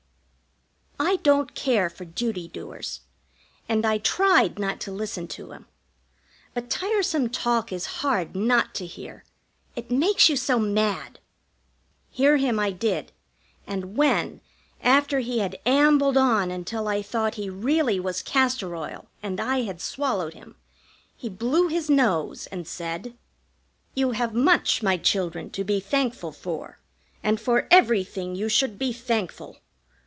I don't care for duty doers, and I tried not to listen to him; but tiresome talk is hard not to hear it makes you so mad. Hear him I did, and when, after he had ambled on until I thought he really was castor oil and I had swallowed him, he blew his nose and said: "You have much, my children, to be thankful for, and for everything you should be thankful.